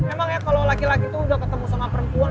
emang ya kalau laki laki itu udah ketemu sama perempuan